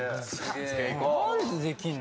何でできんの？